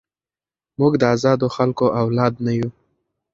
موږ د ازادو خلکو اولادونه یو.